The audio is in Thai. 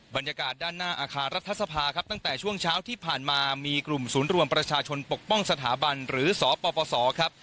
บรรยากาศด้านหน้าอาคารรัฐสภาครับตั้งแต่ช่วงเช้าที่ผ่านมามีกลุ่มศูนย์รวมประชาชนปกป้องสถาบันหรือสปสครับ